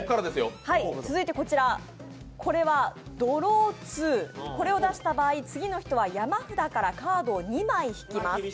これはドロー２で、これを出した場合、次の人は山札からカードを２枚引きます。